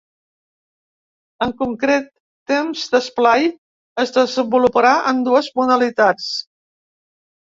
En concret, ‘Temps d’Esplai’ es desenvoluparà en dues modalitats.